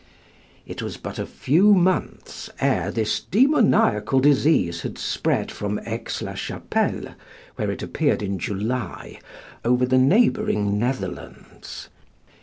It was but a few months ere this demoniacal disease had spread from Aix la Chapelle, where it appeared in July, over the neighbouring Netherlands.